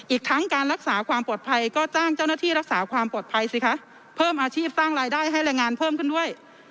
อีกทั้งการรักษาความปลอดภัยก็จ้างเจ้าหน้าที่รักษาความปลอดภัยสิคะเพิ่มอาชีพสร้างรายได้ให้แรงงานเพิ่มขึ้นด้วย